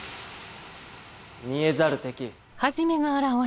「見えざる敵」。